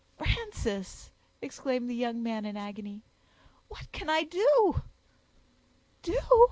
"Frances!" exclaimed the young man in agony, "what can I do?" "Do!"